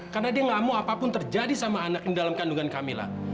karena dia nggak mau apapun terjadi sama anak ini dalam kandungan kamila